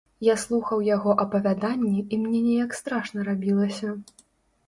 Я слухаў яго апавяданні, і мне неяк страшна рабілася.